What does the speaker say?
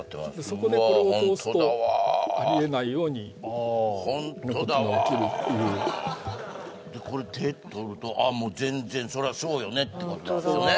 そこでこれを通すとうわホントだわありえないようなことが起きるホントだわこれ手取るとあっもう全然そらそうよねってことなんですよね